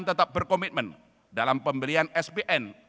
tetap berkomitmen dalam pembelian sbn